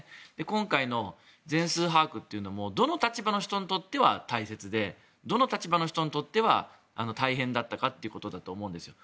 今回の全数把握というのもどの立場の人にとっては大切でどの立場の人にとっては大変だったかということだと思うんですよ。